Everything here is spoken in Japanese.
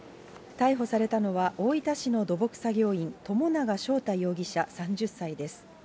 逮捕されたのは、大分市の土木作業員、友永翔太容疑者３０歳です。